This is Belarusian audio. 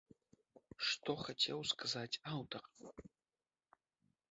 Што хацеў сказаць аўтар?